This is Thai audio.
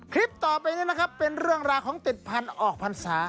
คลิปต่อไปนี้นะครับเป็นเรื่องราวของติดพันธุ์ออกพรรษา